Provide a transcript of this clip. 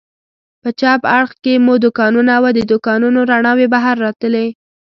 په چپ اړخ کې مو دوکانونه و، د دوکانونو رڼاوې بهر راتلې.